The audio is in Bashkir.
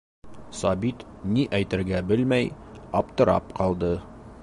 Сабит, ни әйтергә белмәй, аптырап ҡалды.